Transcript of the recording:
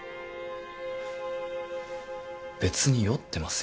別に酔ってません。